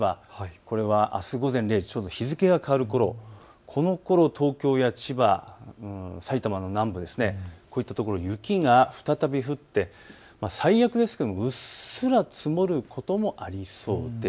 これはあす午前０時ちょうど日付が変わるころ、このころ東京や千葉、埼玉の南部こういったところ雪が再び降って最悪ですけれどもうっすら積もることもありそうです。